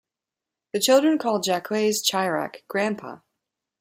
The children call Jacques Chirac "Grandpa".